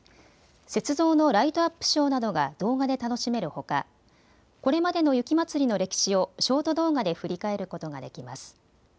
雪像のライトアップショーなどが動画で楽しめるほかこれまでの雪まつりの歴史をショート動画で振り返ることができます。